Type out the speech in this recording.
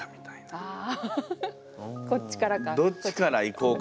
あこっちからか。